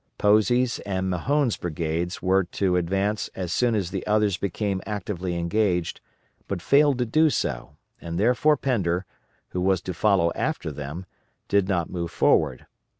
Posey's and Mahone's brigades were to advance as soon as the others became actively engaged, but failed to do so, and therefore Pender, who was to follow after them, did not move forward.